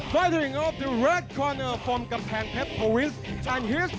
ภารกิจของบลูคอร์เนอร์จากประวัติศาสตร์ไทย